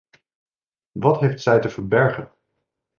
Wat heeft zij te verbergen?